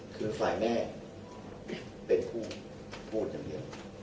คือฝ่ายแม่เป็นผู้ผู้จำเดียว